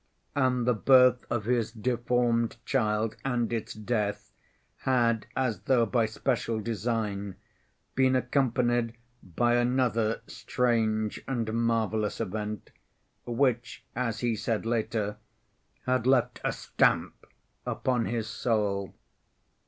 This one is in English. And the birth of his deformed child, and its death, had, as though by special design, been accompanied by another strange and marvelous event, which, as he said later, had left a "stamp" upon his soul.